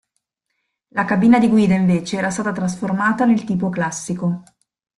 La cabina di guida invece era stata trasformata nel tipo classico.